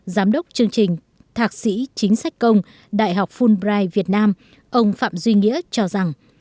giám đốc chương trình thạc sĩ chính sách công đại học fulbright việt nam ông phạm duy nghĩa cho rằng